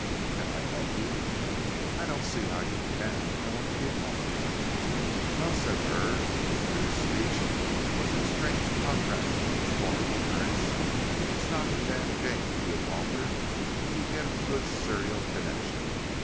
"Can I help you?" "I don't see how you can. I want to be an author." "Well," said Hurd, whose British speech was in strange contrast to his foreign appearance, "it's not a bad game to be an author if you get a good serial connection.